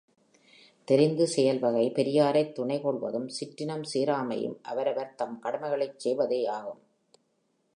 தெரிந்து செயல்வகை பெரியாரைத் துணைக்கொள்வதும் சிற்றினம் சேராமையும் அவரவர் தம் கடமைகளைச் செய்யவே ஆகும்.